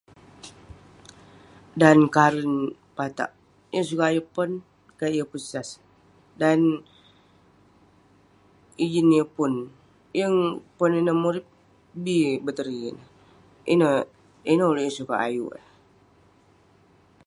Dan karen patak, yeng sukat ayuk pon [unintelligible] yeng pun sas. Dan ijin yeng pun, yeng pon ineh murip. Bi betori neh, ineh- ineh ulouk yeng sukat ayuk eh.